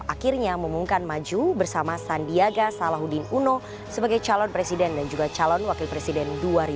akhirnya mengumumkan maju bersama sandiaga salahuddin uno sebagai calon presiden dan juga calon wakil presiden dua ribu sembilan belas